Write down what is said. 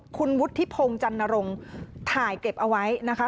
คุณวุฒิพงศ์จันนรงค์ถ่ายเก็บเอาไว้นะคะ